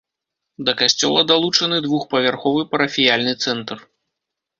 Да касцёла далучаны двухпавярховы парафіяльны цэнтр.